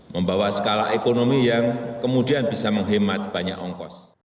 membawa skala ekonomi yang kemudian bisa menghemat banyak ongkos